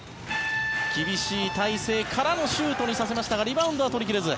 厳しい体勢からのシュートにさせましたがリバウンドはとり切れず。